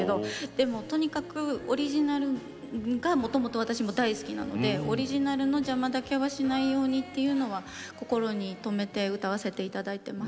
でもとにかくオリジナルがもともと私も大好きなのでオリジナルの邪魔だけはしないようにっていうのは心に留めて歌わせて頂いてます。